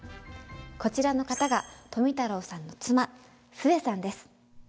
こちらの方が富太郎さんの妻壽衛さんです。